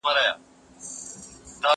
هغه څوک چي مځکه کري حاصل اخلي!